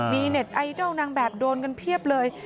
มีเน็ตไอดอลนางแบบโดนกันเพียบเลย